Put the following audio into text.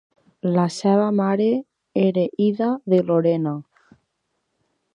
La seva mare era Ida de Lorena.